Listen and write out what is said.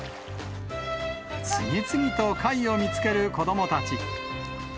次々と貝を見つける子どもたち。